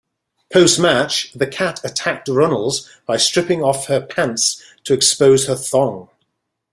Post-match, The Kat attacked Runnels by stripping off her pants to expose her thong.